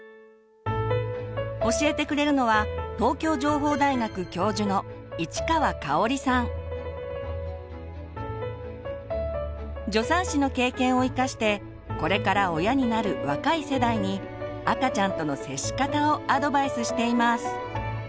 教えてくれるのは助産師の経験を生かしてこれから親になる若い世代に赤ちゃんとの接し方をアドバイスしています。